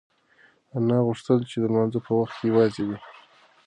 انا غوښتل چې د لمانځه په وخت کې یوازې وي.